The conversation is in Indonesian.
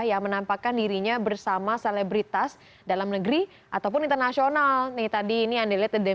yang menampakkan dirinya bersama selebritas dalam negeri ataupun internasional ni tadi ini andele